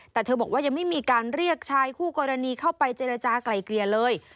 แต่เธอบอกว่ายังไม่มีการเรียกชายคู่กรณีเข้าไปเจรจากลายเกลี่ยเลย